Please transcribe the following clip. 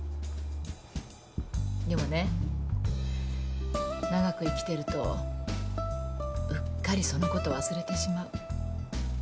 でもね長く生きてるとうっかりそのことを忘れてしまう。